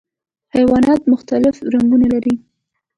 حیوانات مختلف رنګونه لري.